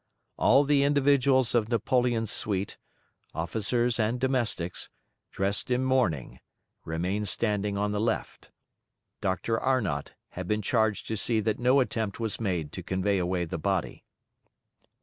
All the individuals of Napoleon's suite, officers and domestics, dressed in mourning, remained standing on the left. Dr. Arnott had been charged to see that no attempt was made to convey away the body.